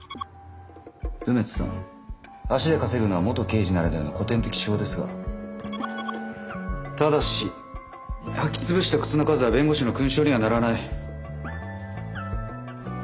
梅津さん足で稼ぐのは元刑事ならではの古典的手法ですがただし履き潰した靴の数は弁護士の勲章にはならない。